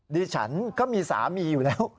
ดิฉันก็มีสามีอยู่แล้ว